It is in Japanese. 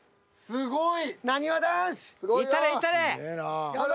すごい。